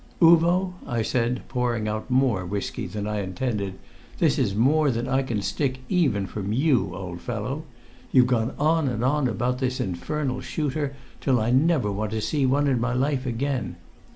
"Uvo," I said, pouring out more whisky than I intended, "this is more than I can stick even from you, old fellow! You've gone on and on about this infernal shooter till I never want to see one in my life again.